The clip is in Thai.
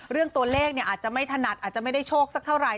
เรื่องตัวเลขอาจจะไม่ถนัดอาจจะไม่ได้โชคสักเท่าไหร